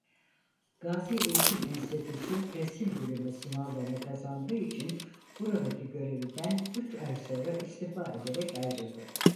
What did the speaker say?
Gazi Eğitim Enstitüsü Resim Bölümü sınavlarını kazandığı için buradaki görevinden üç ay sonra istifa ederek ayrıldı.